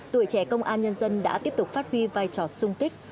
tuổi trẻ công an nhân dân đã tiếp tục phát huy vai trò sung kích